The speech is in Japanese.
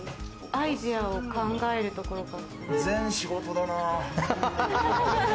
アイデアを考えるところが。